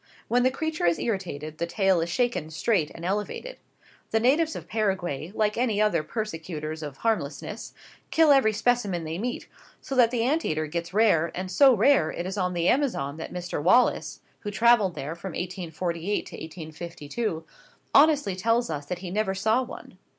When the creature is irritated, the tail is shaken straight and elevated. The natives of Paraguay, like other persecutors of harmlessness, kill every specimen they meet, so that the ant eater gets rare, and so rare is it on the Amazon that Mr Wallace, who travelled there from 1848 to 1852, honestly tells us he never saw one.